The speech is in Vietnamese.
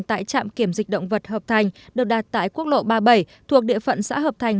tại trạm kiểm dịch động vật hợp thành được đạt tại quốc lộ ba mươi bảy thuộc địa phận xã hợp thành